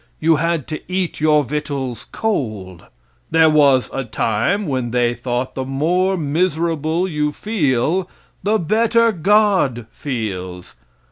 You had to eat your victuals cold. There was a time they thought the more miserable you feel the better God feels.